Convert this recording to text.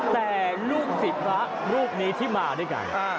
แต่ลูกศิษย์พระรูปนี้ที่มาด้วยกัน